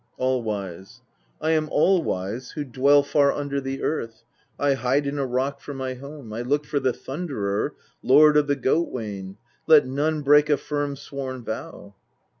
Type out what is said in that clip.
All wise. 3. I am All wise who dwell far under the Earth, I hide in a rock for my home ; I look for the Thunderer, Lord of the goat wain : let none break a firm sworn vow.